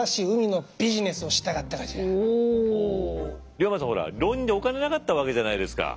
龍馬さんほら浪人でお金なかったわけじゃないですか。